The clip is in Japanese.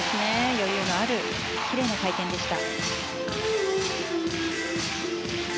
余裕のあるきれいな回転でした。